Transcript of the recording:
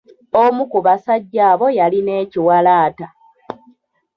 Omu ku basajja abo yalina ekiwalaata.